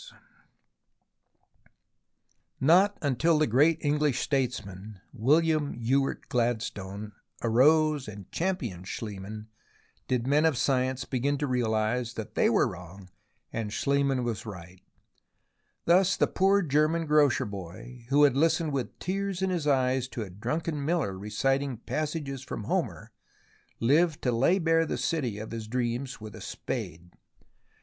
u 2S 2 O "1 [il 2 u ^>■±( S 2 U ; X THE ROMANCE OF EXCAVATION 175 Not until the great English statesman, William Ewart Gladstone, arose and championed Schliemann, did men of science begin to realize that they were wrong and Schliemann was right. Thus the poor German grocer boy, who had listened with tears in his eyes to a drunken miller reciting passages from Homer, lived to lay bare the city of his dreams with a spade.